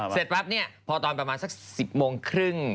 เสร็จปั๊บเนี่ยพอตอนประมาณสัก๑๐โมงครึ่ง